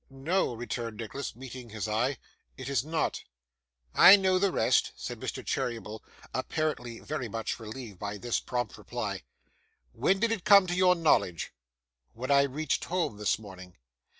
'No!' returned Nicholas, meeting his eye, 'it is not.' 'I know the rest,' said Mr. Cheeryble, apparently very much relieved by this prompt reply. 'When did it come to your knowledge?' 'When I reached home this morning.